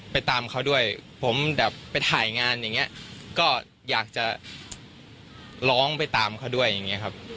ตามเขาด้วยผมแบบไปถ่ายงานอย่างนี้ก็อยากจะร้องไปตามเขาด้วยอย่างนี้ครับ